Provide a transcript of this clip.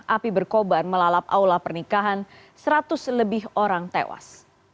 api berkobar melalap aula pernikahan seratus lebih orang tewas